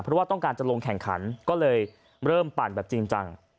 เพราะว่าต้องการจะลงแข่งขันก็เลยเริ่มปั่นแบบจริงจัง